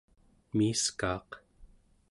miiskaaq